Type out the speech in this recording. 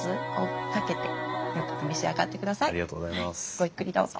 ごゆっくりどうぞ。